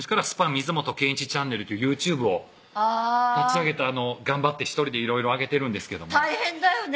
水本健一チャンネル」というＹｏｕＴｕｂｅを立ち上げて頑張って１人でいろいろあげてるんですけども大変だよね